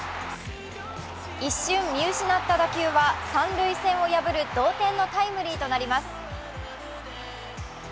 一瞬見失った打球は三塁線を破る同点のタイムリーとなります。